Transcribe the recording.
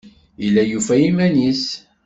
Yella yufa iman-nnes.